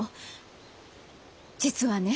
実はね。